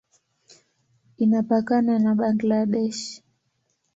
Inapakana na Bangladesh.